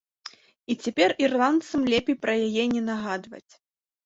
І цяпер ірландцам лепей пра яе не нагадваць.